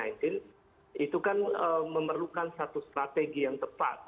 itu kan memerlukan satu strategi yang tepat